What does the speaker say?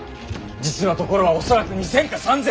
実のところは恐らく２，０００か３，０００。